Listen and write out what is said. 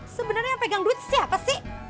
sebenarnya yang pegang duit siapa sih